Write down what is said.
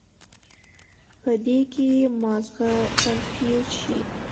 پۀ دې کښې مازغه کنفيوز شي